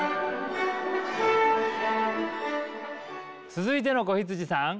続いての子羊さん。